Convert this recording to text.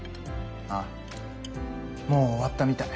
ああもう終わったみたい。